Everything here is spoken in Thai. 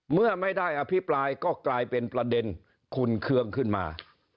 เมื่อไม่ได้อภิปรายก็กลายเป็นประเด็นขุนเคืองขึ้นมา